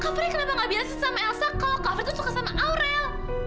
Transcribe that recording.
kak frey kenapa nggak biasa sama elsa kalau kak frey suka sama aurel